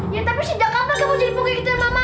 ya tapi sedangkapan kamu jadi pengegitan mama